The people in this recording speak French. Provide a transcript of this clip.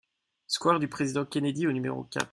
Square du Président Kennedy au numéro quatre